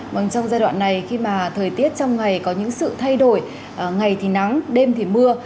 vâng trong giai đoạn này khi mà thời tiết trong ngày có những sự thay đổi ngày thì nắng đêm thì mưa